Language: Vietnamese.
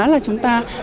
là chúng ta